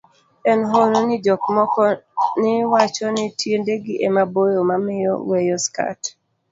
en hono ni jok moko ni wacho ni tiendegi ema boyo mamiyo weyo skat